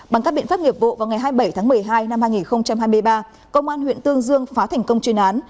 bằng các biện pháp nghiệp vụ vào ngày hai mươi bảy tháng một mươi hai năm hai nghìn hai mươi ba công an huyện tương dương phá thành công chuyên án